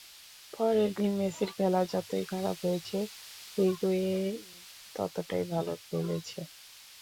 পরের দিকে মেসির খেলা যতটা খারাপ হয়েছে হিগুয়েইন ততটাই ভালো খেলেছে।